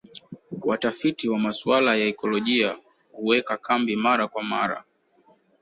Watafiti wa masuala ya ekolojia huweka kambi mara kwa mara